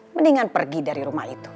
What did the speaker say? mendingan pergi dari rumah itu